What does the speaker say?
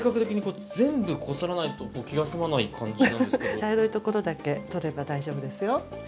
茶色いところだけ取れば大丈夫ですよ。